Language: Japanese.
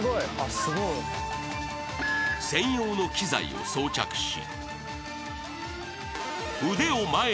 ［専用の機材を装着し］